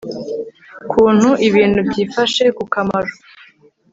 kuntu ibintu byifashe ku kamaro